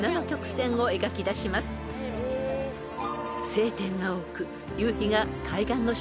［晴天が多く］